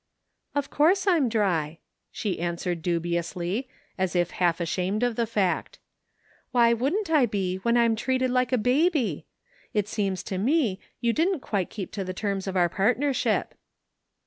" Of course I'm dry," she answered dubiously, as if half ashamed of the fact. " Why wouldn't I be when I'm treated like a baby? It seems to me, you didn't quite keep to the terms of our partnership."